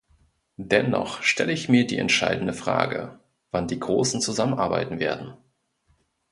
Dennoch stelle ich mir die entscheidende Frage, wann die Großen zusammenarbeiten werden.